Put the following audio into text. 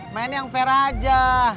main yang fair aja